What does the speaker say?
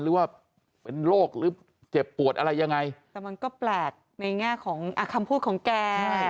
หรือว่าเป็นโรคหรือเจ็บปวดอะไรยังไงแต่มันก็แปลกในแง่ของคำพูดของแก